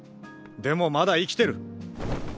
でもまだ生きてる！